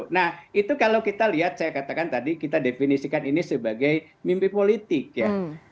nah itu kalau kita lihat saya katakan tadi kita definisikan ini sebagai mimpi politik ya